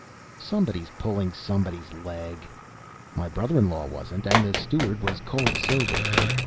"Somebody's pulling somebody's leg." "My brother in law wasn't, and the steward was cold sober."